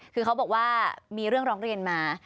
คือเขาบอกว่ามีเรื่องร้องเรียนมา